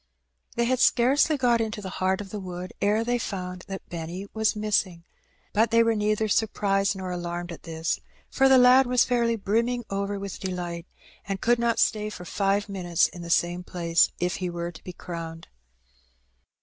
They had scarcely got into the heart of the wood ere they found that Benny was missing; but they were neither surprised nor alarmed at this, for the lad was fairly brim ming over with delight, and could not stay for five minutes in the same place if he were to be crowned.